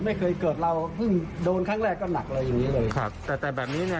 ไม่เคยเกิดเราเพิ่งโดนครั้งแรกก็หนักเลยอย่างงี้เลยครับแต่แต่แบบนี้เนี่ย